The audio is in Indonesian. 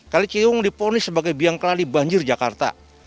kali ciliwung diponis sebagai biang kelali banjir jakarta